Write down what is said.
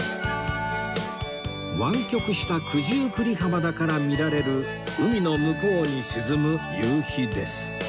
湾曲した九十九里浜だから見られる海の向こうに沈む夕日です